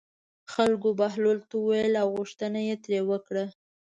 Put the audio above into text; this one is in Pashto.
خلکو بهلول ته وویل او غوښتنه یې ترې وکړه.